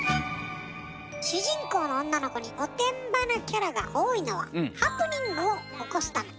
主人公の女の子におてんばなキャラが多いのはハプニングを起こすため。